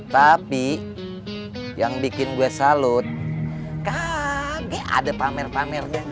tapi yang bikin gue salut kah ada pamer pamernya